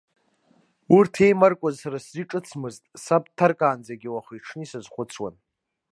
Урҭ еимаркуаз сара сзы иҿыцмызт, саб дҭаркаанӡагьы уахи-ҽни сазхәыцуан.